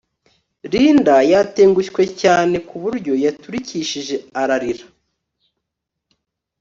Linda yatengushye cyane ku buryo yaturikishije ararira